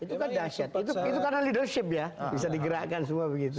itu kan dahsyat itu karena leadership ya bisa digerakkan semua begitu